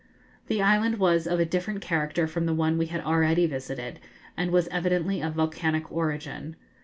The island was of a different character from the one we had already visited, and was evidently of volcanic origin.